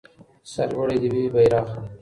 سرلوړی دې وي بيرغ.